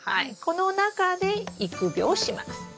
この中で育苗します。